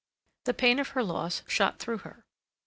The pain of her loss shot through her.